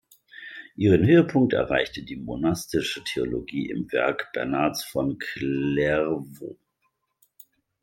Ihren Höhepunkt erreichte die monastische Theologie im Werk Bernhards von Clairvaux.